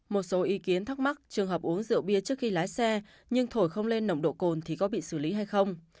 một số ý kiến thắc mắc trường hợp uống rượu bia trước khi lái xe nhưng thổi không lên nồng độ cồn thì có bị xử lý hay không